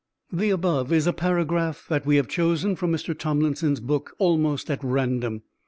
The above is a paragraph that we have chosen from Mr. Tomlinson's book almost at random.